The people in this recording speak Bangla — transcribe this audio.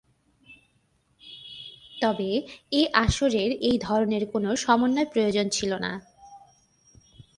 তবে, এই আসরের এই ধরনের কোন সমন্বয় প্রয়োজন ছিল না।